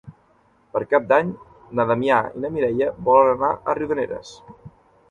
Per Cap d'Any na Damià i na Mireia volen anar a Riudarenes.